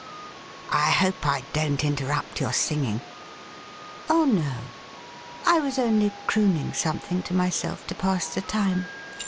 ' I hope I don't interrupt your singing T ' Oh no ; I was only crooning something to myself to: pass the time.